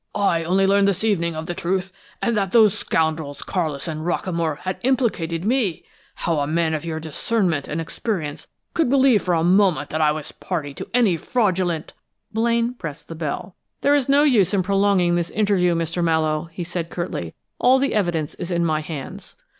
"I only learned this evening of the truth, and that those scoundrels Carlis and Rockamore had implicated me! How a man of your discernment and experience could believe for a moment that I was a party to any fraudulent " Blaine pressed the bell. "There is no use in prolonging this interview, Mr. Mallowe!" he said, curtly. "All the evidence is in my hands."